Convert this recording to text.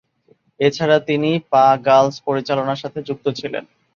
এছাড়া, তিনি "পা-গালস" পরিচালনার সাথে যুক্ত ছিলেন।